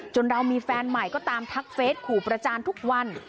เรามีแฟนใหม่ก็ตามทักเฟสขู่ประจานทุกวัน